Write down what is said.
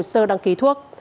sơ đăng ký thuốc